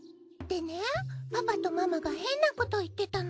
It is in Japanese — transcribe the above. でねパパとママが変なこと言ってたの。